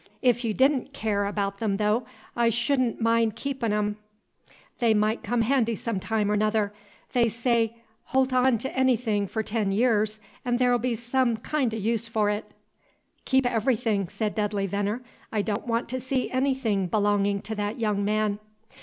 Ef y' did n' care abaout 'em, though, I should n' min' keepin' on 'em; they might come handy some time or 'nother; they say, holt on t' anything for ten year 'n' there 'll be some kin' o' use for 't." "Keep everything," said Dudley Veneer. "I don't want to see anything belonging to that young man."